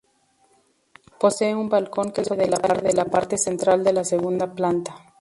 Posee un balcón que sobresale de la parte central de la segunda planta.